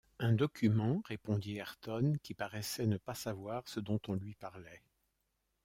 Un document répondit Ayrton, qui paraissait ne pas savoir ce dont on lui parlait